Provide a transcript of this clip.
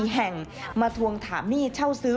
๔แห่งมาทวงถามหนี้เช่าซื้อ